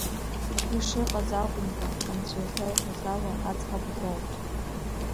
Ишыҟаз акәымкәан, анцәа излаиҳәоз ала аӡӷаб дроут.